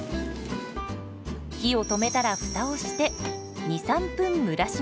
火を止めたらフタをして２３分蒸らします。